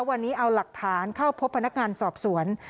วันนี้เอาหลักฐานเข้าพบพนักงานสอบสวน